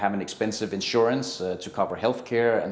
anda harus memiliki pendidikan sekolah anak anak anda